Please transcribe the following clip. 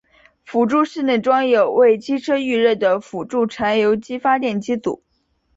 辅助室内装有为机车预热的辅助柴油机发电机组。